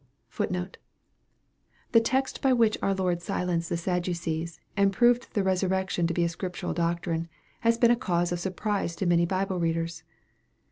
The text by which our Lord silenced the Sadducees, and proved the resurrection to be a scriptural doctrine has been a cause of sur prise to many Bible readers.